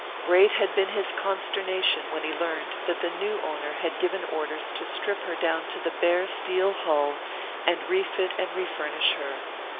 Great had been his consternation when he learned that the new owner had given orders to strip her down to the bare steel hull and refit and refurnish her.